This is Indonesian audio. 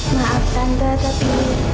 maaf tante tapi